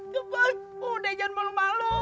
gebek udah jangan malu malu